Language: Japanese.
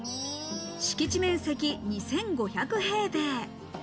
敷地面積２５００平米。